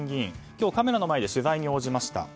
今日、カメラの前で取材に応じました。